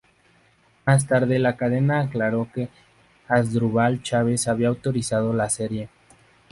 Más tarde la cadena aclaró que Asdrúbal Chávez había autorizado la serie.